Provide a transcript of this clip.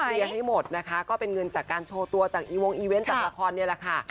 ให้หมดนะคะก็เป็นเงินจากการโชว์ตัวจากอีวงอีเวนต์จากละครนี่แหละค่ะ